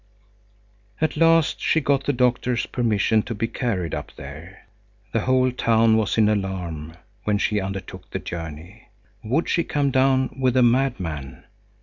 At last she got the doctor's permission to be carried up there. The whole town was in alarm when she undertook the journey. Would she come down with a madman?